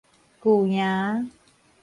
舊營